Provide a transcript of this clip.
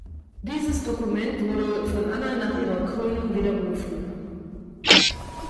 Dieses Dokument wurde von Anna nach ihrer Krönung widerrufen.